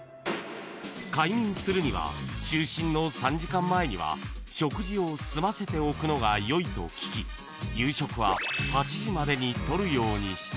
［快眠するには就寝の３時間前には食事を済ませておくのが良いと聞き夕食は８時までに取るようにした］